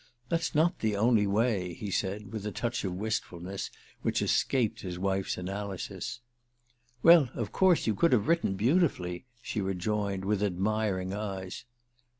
"That's not the only way," he said, with a touch of wistfulness which escaped his wife's analysis. "Well, of course you could have written beautifully," she rejoined with admiring eyes.